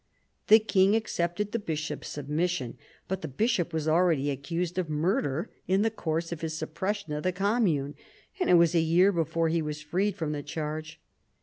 The king accepted the bishop's submission, but the bishop was already accused of murder in the course of his suppression of the commune, and it was a year before he was freed from the charge.